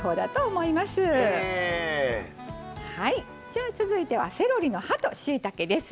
じゃあ続いてはセロリの葉としいたけです。